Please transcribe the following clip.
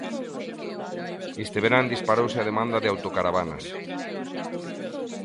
Este verán disparouse a demanda de autocaravanas.